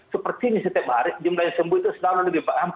seperti ini setiap hari jumlah yang sembuh itu selalu lebih